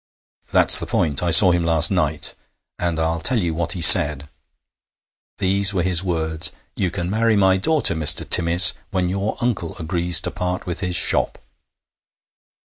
'That's the point. I saw him last night, and I'll tell you what he said. These were his words: "You can marry my daughter, Mr. Timmis, when your uncle agrees to part with his shop!"'